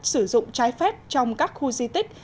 sử dụng trái phép trong các khu di tích